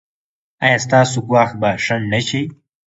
ایا ستاسو ګواښ به شنډ نه شي؟